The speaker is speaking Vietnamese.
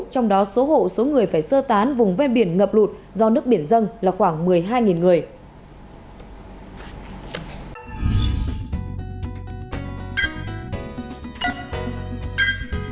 trong đó số hộ số người phải sơ tán vùng ven biển ngập lụt do nước biển dân là khoảng một mươi hai người